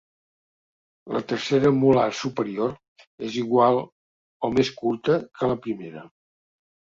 La tercera molar superior és igual o més curta que la primera.